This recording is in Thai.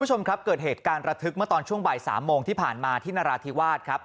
คุณผู้ชมครับเกิดเหตุการณ์ระทึกเมื่อตอนช่วงบ่าย๓โมงที่ผ่านมาที่นราธิวาสครับ